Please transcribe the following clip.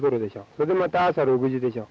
それでまた朝６時でしょ。